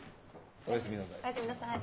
おやすみなさい。